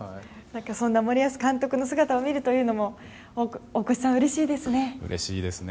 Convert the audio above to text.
そんな森保監督の姿を見るというのも大越さん、うれしいですね。